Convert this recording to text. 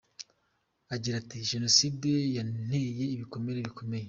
Agira ati “Jenoside yanteye ibikomere bikomeye.